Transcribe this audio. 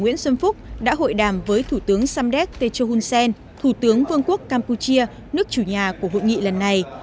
nguyễn xuân phúc đã hội đàm với thủ tướng samdek techo hun sen thủ tướng vương quốc campuchia nước chủ nhà của hội nghị lần này